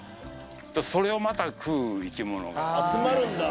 それをまた食う生き物が。